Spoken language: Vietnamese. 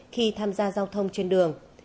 khi tham gia giao thông trên đường